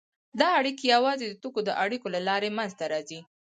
دا اړیکې یوازې د توکو د اړیکو له لارې منځته راځي